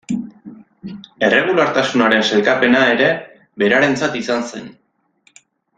Erregulartasunaren sailkapena ere berarentzat izan zen.